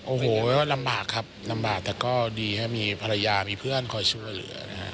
โอโฮลำบากครับลำบากแต่ก็มีภรรยามีเพื่อนคอชั่วเหลือนะคะ